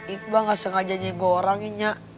ikbo gak sengaja nyeboranin ya